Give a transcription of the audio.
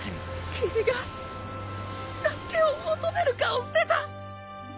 君が助けを求める顔してた。